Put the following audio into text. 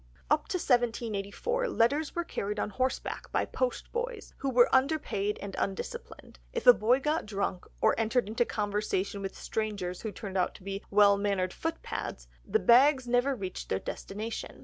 Up to 1784, letters were carried on horseback by post boys, who were underpaid and undisciplined; if a boy got drunk, or entered into conversation with strangers who turned out to be well mannered footpads, the bags never reached their destination.